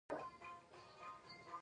سپي د خره په غږ ټوکې پیل کړې.